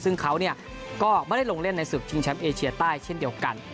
ซึ่งเขาก็ไม่ได้ลงเล่นในศึกชิงแชมป์เอเชียใต้เช่นเดียวกัน